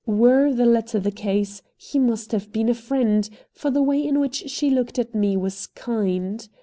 Were the latter the case, he must have been a friend, for the way in which she looked at me was kind.